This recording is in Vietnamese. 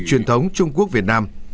truyền thống trung quốc việt nam